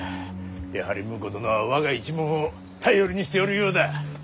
やはり婿殿は我が一門を頼りにしておるようだ。